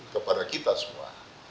kepada kita semua